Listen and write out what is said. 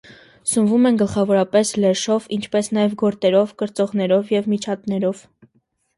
Սնվում են գլխավորապես լեշով, ինչպես նաև գորտերով, կրծողներով և միջատներով։